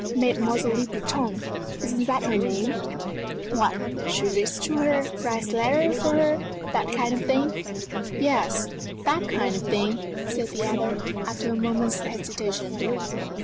Mademoiselle Le Breton isn't that her name? What she reads to her, and writes letters for her that kind of thing?" "Yes that kind of thing," said the other, after a moment's hesitation.